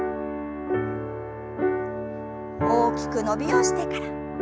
大きく伸びをしてから。